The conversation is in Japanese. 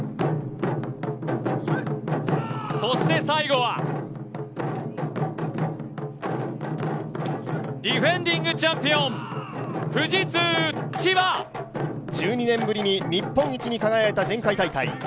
そして最後は、ディフェンディングチャンピオン、富士通・千葉。１２年ぶりに日本一に輝いた前回大会。